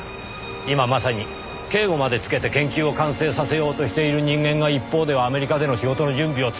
今まさに警護までつけて研究を完成させようとしている人間が一方ではアメリカでの仕事の準備を続けている。